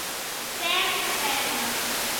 Sam Pam